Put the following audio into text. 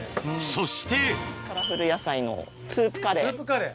そしてカラフル野菜のスープカレー。